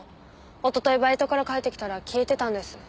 おとといバイトから帰ってきたら消えてたんです。